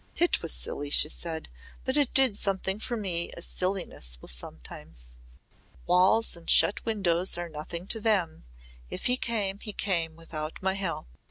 "It was silly," she said, "but it did something for me as silliness will sometimes. Walls and shut windows are nothing to them. If he came, he came without my help.